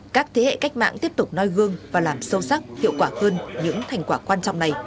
các thế hệ cách mạng tiếp tục noi gương và làm sâu sắc hiệu quả hơn những thành quả quan trọng này